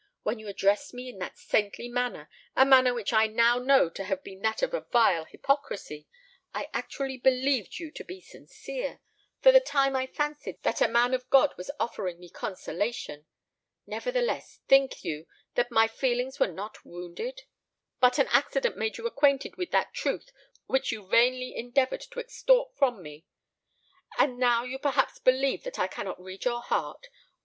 When you addressed me in that saintly manner—a manner which I now know to have been that of a vile hypocrisy—I actually believed you to be sincere; for the time I fancied that a man of God was offering me consolation. Nevertheless, think you that my feelings were not wounded? But an accident made you acquainted with that truth which you vainly endeavoured to extort from me! And now you perhaps believe that I cannot read your heart.